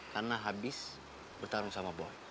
karena habis bertarung sama boy